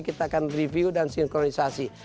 kita akan review dan sinkronisasi